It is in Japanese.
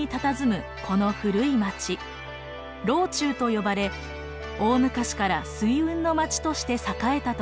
中と呼ばれ大昔から水運の町として栄えたところです。